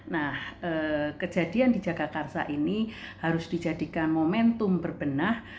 nah kejadian di jakarta ini harus dijadikan momentum berbenah